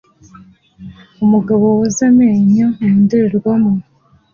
Umugabo woza amenyo mu ndorerwamo